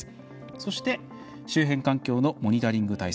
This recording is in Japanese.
そして周辺環境のモニタリング体制。